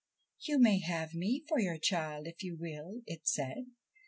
' You may have me for your child if you will,' it said.